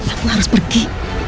aku harus pergi